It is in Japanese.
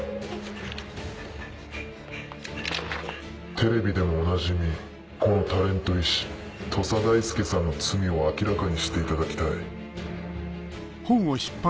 テレビでもおなじみこのタレント医師土佐大輔さんの罪を明らかにしていただきたい。